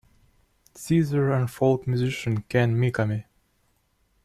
Seazer and folk musician Kan Mikami.